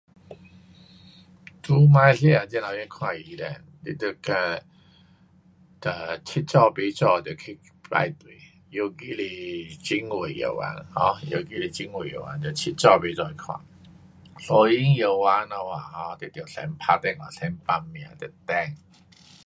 这次马来西亚要看医生得七早八早得去，尤其是政府医院，得七早八早。私人医院你要大电话先大 booking